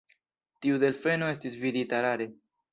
Tiu delfeno estis vidita rare.